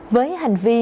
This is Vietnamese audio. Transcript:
với hành vi